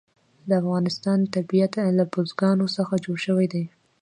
د افغانستان طبیعت له بزګانو څخه جوړ شوی دی.